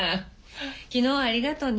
昨日はありがとね。